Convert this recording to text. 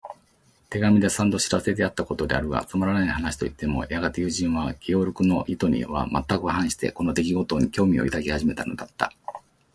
手紙で三度知らせてやったことであるが、つまらない話といってもやがて友人は、ゲオルクの意図にはまったく反して、この出来ごとに興味を抱き始めたのだった。